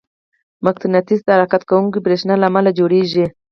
مقناطیس د حرکت کوونکي برېښنا له امله جوړېږي.